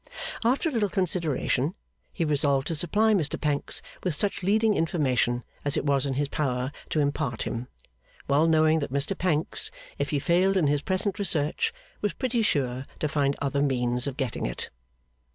After a little consideration, he resolved to supply Mr Pancks with such leading information as it was in his power to impart him; well knowing that Mr Pancks, if he failed in his present research, was pretty sure to find other means of getting it.